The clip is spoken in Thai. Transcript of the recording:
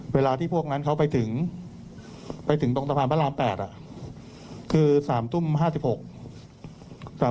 เวลาที่พวกนั้นเขาไปถึงไปถึงตรงสะพานพระราม๘คือ๓ทุ่ม๕๖